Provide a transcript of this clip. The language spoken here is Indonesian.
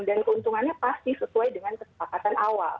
keuntungannya pasti sesuai dengan kesepakatan awal